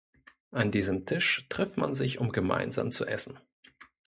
An diesem Tisch trifft man sich, um gemeinsam zu essen.